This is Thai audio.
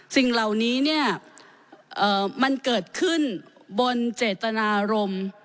สิ่งเหล่านี้เนี่ยมันเกิดขึ้นบนเจตนารมณ์